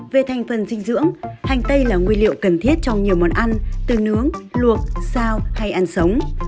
về thành phần dinh dưỡng hành tây là nguyên liệu cần thiết trong nhiều món ăn từ nướng luộc sao hay ăn sống